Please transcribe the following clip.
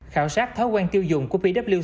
khảo sát thói quen tiêu dùng của bida